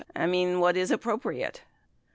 I mean, what is appropriate ?